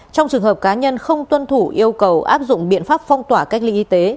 trong trường hợp cá nhân không tuân thủ yêu cầu áp dụng biện pháp phong tỏa cách ly y tế